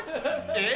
えっ？